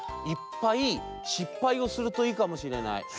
いっぱいしっぱいをするといいかもしれない。